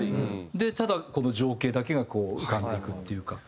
でただこの情景だけがこう浮かんでいくっていうか。